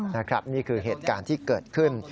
นี่คือเหตุการณ์ที่เกิดขึ้น